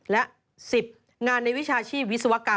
และ๑๐งานในวิชาชีพวิศวกรรม